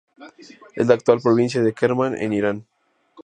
Es la actual provincia de Kermán, en Irán.